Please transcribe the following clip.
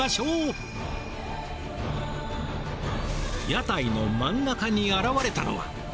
屋台の真ん中に現れたのは。